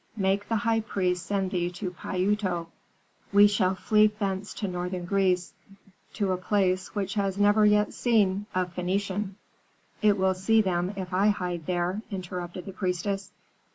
Make the high priest send thee to Pi Uto; we shall flee thence to northern Greece, to a place which has never yet seen a Phœnician " "It will see them if I hide there," interrupted the priestess.